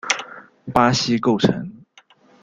巴西构成。